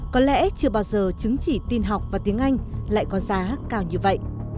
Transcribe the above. có lẽ chưa bao giờ chứng chỉ tin học và tiếng anh lại có giá cao như vậy